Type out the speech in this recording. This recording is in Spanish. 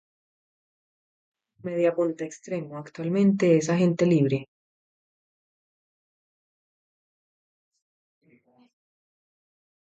Juega como mediapunta extremo, actualmente es agente libre